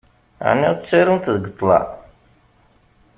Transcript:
Ɛni ttarunt deg ṭṭlam?